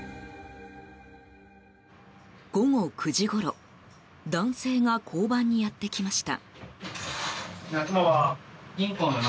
午後９時ごろ男性が交番にやってきました。